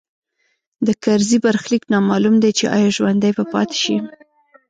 د کرزي برخلیک نامعلوم دی چې ایا ژوندی به پاتې شي